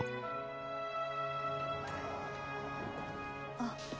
あっ。